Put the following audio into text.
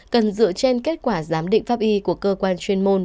cần dựa trên kết quả giám định pháp y của cơ quan chuyên môn